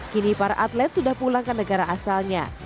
kini para atlet sudah pulang ke negara asalnya